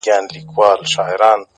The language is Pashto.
ستا د يادونو فلسفې ليكلي!